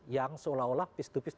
yang seolah olah piece to piece